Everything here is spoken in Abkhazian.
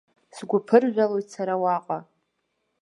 Сгәы ԥыржәалоит сара уаҟа.